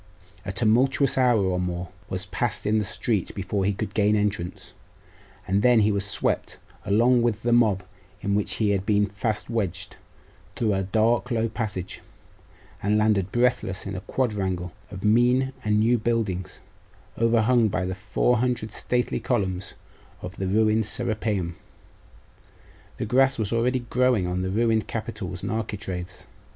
A tumultuous hour, or more, was passed in the street before he could gain entrance; and then he was swept, along with the mob in which he had been fast wedged, through a dark low passage, and landed breathless in a quadrangle of mean and new buildings, overhung by the four hundred stately columns of the ruined Serapeium. The grass was already growing on the ruined capitals and architraves....